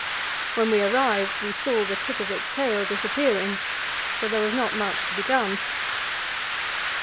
When we arrived we saw the tip of its tail disappearing, so there was not much to be done.